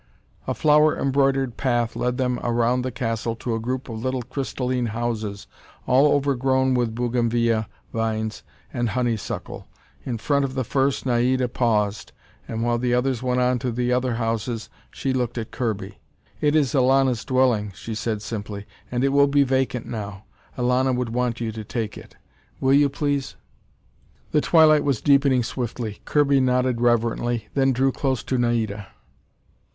A flower embroidered path led them around the castle to a group of little crystalline houses all overgrown with bougainvillea vines and honeysuckle. In front of the first, Naida paused, and while the others went on to the other houses, she looked at Kirby. "It is Elana's dwelling," she said simply, "and it will be vacant now. Elana would want you to take it. Will you, please?" The twilight was deepening swiftly. Kirby nodded reverently, then drew close to Naida.